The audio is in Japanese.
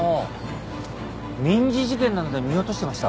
民事事件なので見落としてました。